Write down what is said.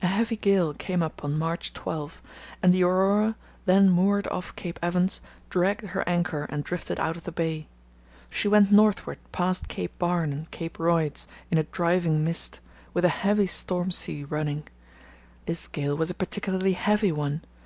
A heavy gale came up on March 12, and the Aurora, then moored off Cape Evans, dragged her anchor and drifted out of the bay. She went northward past Cape Barne and Cape Royds in a driving mist, with a heavy storm sea running. This gale was a particularly heavy one.